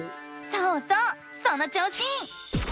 そうそうその調子！